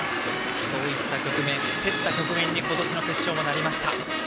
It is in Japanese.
そういった競った局面に今年の決勝もなりました。